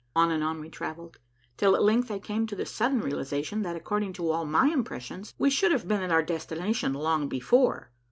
On and on we travelled, till at length I came to the sudden realization that, according to all my impressions, we should have been at our destination long before.